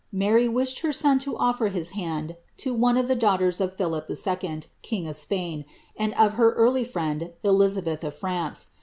Mary wished lier son to olTer his hand to one of the dauifhicrs of f'iiilip IL king of Spain, and of her early friend, Elizabeth of France.